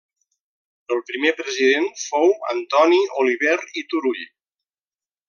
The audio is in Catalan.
El primer president fou Antoni Oliver i Turull.